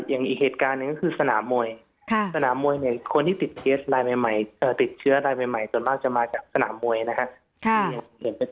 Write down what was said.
อีกเหตุการณ์หนึ่งก็คือสนามมวยสนามมวยเนี่ยคนที่ติดเคสรายใหม่ติดเชื้อรายใหม่ส่วนมากจะมาจากสนามมวยนะครับ